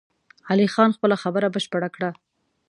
علي خان خپله خبره بشپړه کړه!